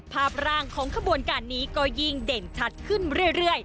ภาพร่างของขบวนการนี้ก็ยิ่งเด่นชัดขึ้นเรื่อย